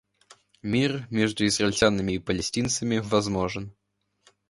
Мир между израильтянами и палестинцами возможен.